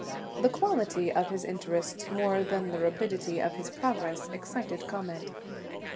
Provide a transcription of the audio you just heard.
The quality of his interest, more than the rapidity of his progress, excited comment.